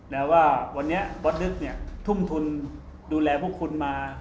แล้วว่าวันนี้บอสนึกเนี่ยทุ่มทุนดูแลพวกคุณมา